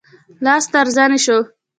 لاس تر زنې شو.